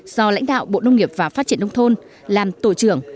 do lãnh đạo bộ nông nghiệp và phát triển nông thôn làm tổ trưởng